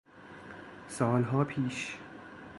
سالها پیش